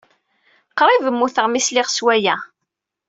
Qrib mmuteɣ mi sliɣ s waya.